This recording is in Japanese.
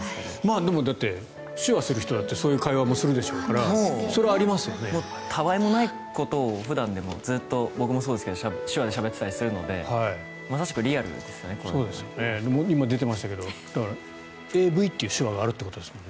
でも、手話する人だってそういう会話もするでしょうから他愛もないことを僕もそうですけど手話でしゃべってたりするので今も出ていましたけどＡＶという手話があるということですよね。